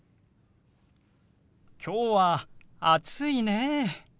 きょうは暑いね。